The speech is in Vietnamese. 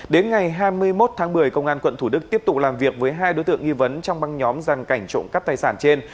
đến ngày hai mươi một tháng một mươi công an quận thủ đức tiếp tục làm việc với hai đối tượng nghi vấn trong băng nhóm giàn cảnh trộm cắp tài sản trên